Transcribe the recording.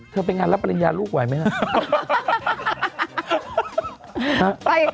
เธอไปงานรับปริญญาลูกไหวไหมล่ะ